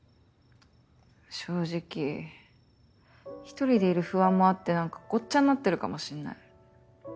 正直一人でいる不安もあって何かごっちゃになってるかもしんない。